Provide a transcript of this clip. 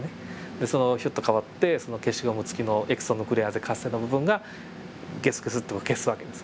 でそのヒュッと代わってその消しゴム付きのエキソヌクレアーゼ活性の部分がゲスゲスと消す訳です。